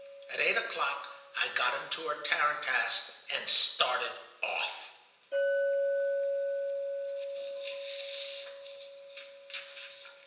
At eight o'clock I got into a tarantass and started off."